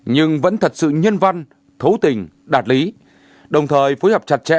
nhưng vẫn thật sự nhân văn thấu tình đạt lý đồng thời phối hợp chặt chẽ